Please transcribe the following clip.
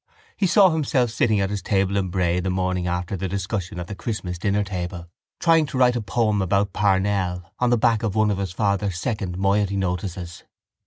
He saw himself sitting at his table in Bray the morning after the discussion at the Christmas dinner table, trying to write a poem about Parnell on the back of one of his father's second moiety notices.